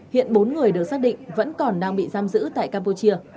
hiện bốn người được xác định vẫn còn đang bị giam giữ tại campuchia